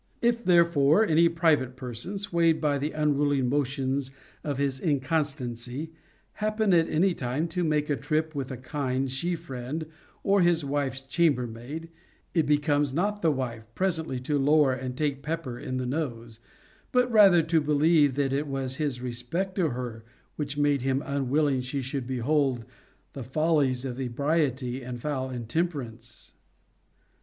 If therefore any private person, swayed by the unruly motions of his incontinency, happen at any time to make a trip with a kind she friend or his wife's chambermaid, it becomes not the wife presently to lower and take pepper in the nose, but rather to believe that it was his respect to 492 CONJUGAL PRECEPTS. her which made him unwilling: she should behold the fol lies of ebriety and foul intemperance.